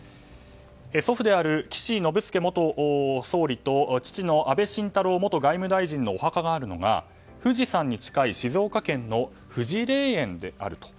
祖父である岸信介元総理と父の安倍晋太郎元外務大臣のお墓があるのが富士山に近い静岡県の富士霊園であると。